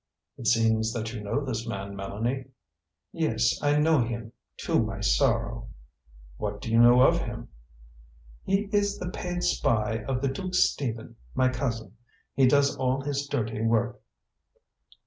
"It seems that you know this man, Mélanie?" "Yes, I know him to my sorrow." "What do you know of him?" "He is the paid spy of the Duke Stephen, my cousin. He does all his dirty work."